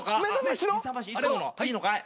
いいのかい？